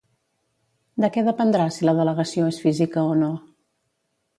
De què dependrà si la delegació és física o no?